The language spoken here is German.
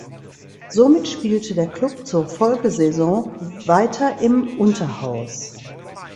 Somit spielte der Klub zur Folgesaison weiter im Unterhaus.